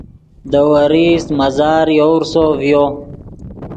دے ورئیست مزار یوورسو ڤیو